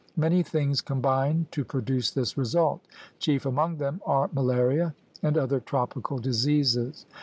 Many things combine to produce this result. Chief among them are malaria and other tropical diseases.